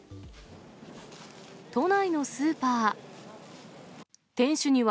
都内のスーパー。